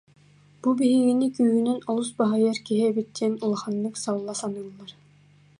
Бу биһигини күүһүнэн олус баһыйар киһи эбит диэн улаханнык салла саныыллар